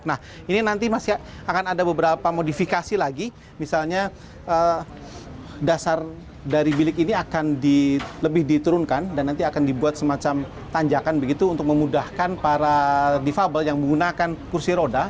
nah ini nanti masih akan ada beberapa modifikasi lagi misalnya dasar dari bilik ini akan lebih diturunkan dan nanti akan dibuat semacam tanjakan begitu untuk memudahkan para defable yang menggunakan kursi roda